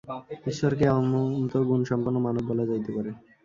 ঈশ্বরকে অনন্তগুণসম্পন্ন মানব বলা যাইতে পারে।